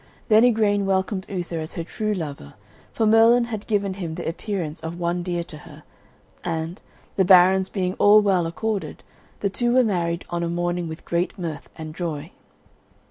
Then Igraine welcomed Uther as her true lover, for Merlin had given him the appearance of one dear to her, and, the barons being all well accorded, the two were married on a morning with great mirth and joy.